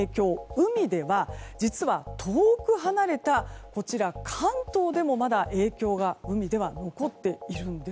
海では、実は遠く離れた関東でも、まだ影響が残っているんです。